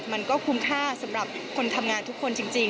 มันก็คุ้มค่าสำหรับคนทำงานทุกคนจริง